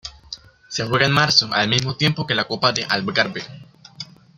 Se juega en marzo, al mismo tiempo que la Copa de Algarve.